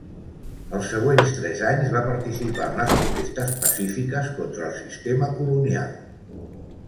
Els següents tres anys va participar en les protestes pacífiques contra el sistema colonial.